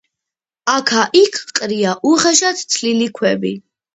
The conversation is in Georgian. აქა-იქ ყრია უხეშად თლილი ქვები.